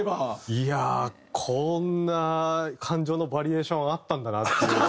いやあこんな感情のバリエーションあったんだなっていう。